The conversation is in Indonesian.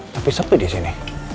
tapi sepi disini